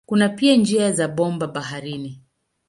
Kuna pia njia za bomba baharini.